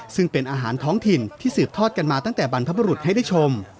ซึ่งเป็นอาหารท้องถิ่นที่สืบทอดกันมาตั้งแต่บรรพบุรุษให้ได้ชม